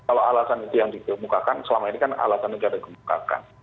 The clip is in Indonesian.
kalau alasan itu yang dikemukakan selama ini kan alasan negara dikemukakan